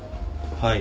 はい。